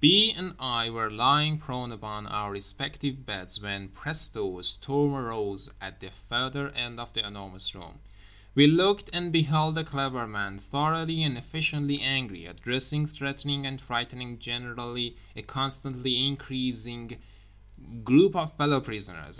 B. and I were lying prone upon our respective beds when—presto, a storm arose at the further end of The Enormous Room. We looked, and beheld The Clever Man, thoroughly and efficiently angry, addressing, threatening and frightening generally a constantly increasing group of fellow prisoners.